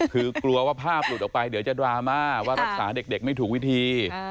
คือกลัวว่าภาพหลุดออกไปเดี๋ยวจะดราม่าว่ารักษาเด็กไม่ถูกวิธี